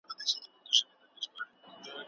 دا تر هر څه لوړ عبادت دی.